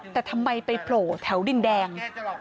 แต่ทำไมไปโผล่แถวดินแดง